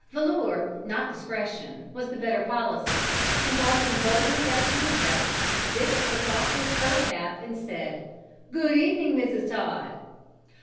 Valor, not discretion, was the better policy, and walking boldly up to the steps Dick took off his fur cap and said, "Good evening, Mrs. Todd!"